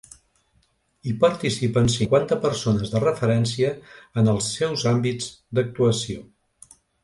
Hi participen cinquanta persones de referència en els seus àmbits d’actuació.